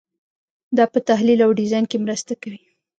دا په تحلیل او ډیزاین کې مرسته کوي.